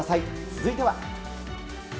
続いては。